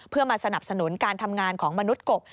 เพื่อมาสนับสนุนการทำงานของมนุษย์กบ